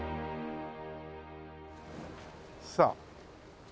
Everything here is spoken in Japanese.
さあ。